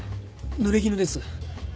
ぬれぎぬです！